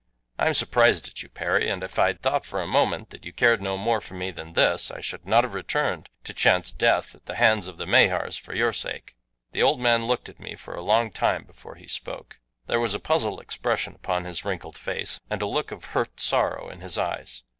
I'm surprised at you, Perry, and if I'd thought for a moment that you cared no more for me than this I should not have returned to chance death at the hands of the Mahars for your sake." The old man looked at me for a long time before he spoke. There was a puzzled expression upon his wrinkled face, and a look of hurt sorrow in his eyes.